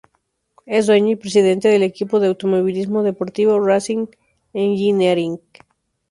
Es dueño y presidente del equipo de automovilismo deportivo Racing Engineering.